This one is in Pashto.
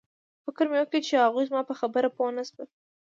فکر مې وکړ چې هغوی زما په خبره پوه نشول